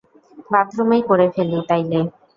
বাথরুমেই করে ফেলি, তাইলে?